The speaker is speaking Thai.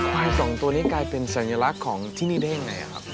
ควายสองตัวนี้กลายเป็นสัญลักษณ์ของที่นี่ได้ยังไงครับ